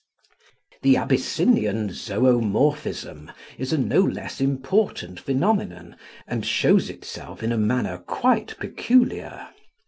The Abyssinian Zoomorphism is a no less important phenomenon, and shows itself a manner quite peculiar.